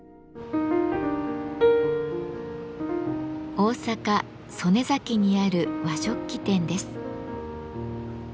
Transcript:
大阪・曽根崎にある和食器店です。